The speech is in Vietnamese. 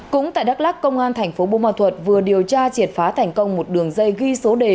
cũng tại đắk lắc công an tp bộ ma thuật vừa điều tra triệt phá thành công một đường dây ghi số đề